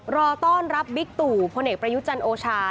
รอต้อนรับบิ๊กตู่พลเอกประยุจันทร์โอชา